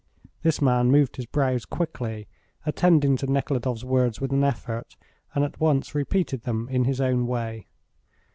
This man moved his brows quickly, attending to Nekhludoff's words with an effort, and at once repeated them in his own way.